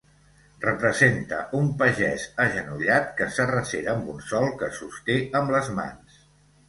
Representa un pagès agenollat que s'arrecera amb un Sol que sosté amb les mans.